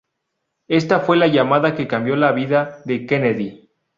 Ésta fue la llamada que cambió la vida de Kennedy.